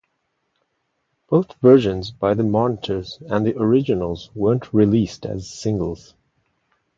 Both versions by the Monitors and the Originals weren't released as singles.